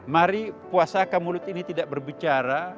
mari puasakan mulut ini tidak berbicara